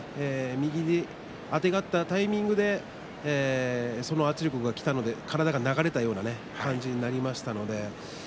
右にあてがったタイミングで、その圧力がきたので体が流れたような感じになりました。